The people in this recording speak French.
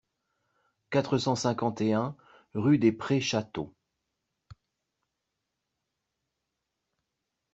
quatre cent cinquante et un rue des Prés Château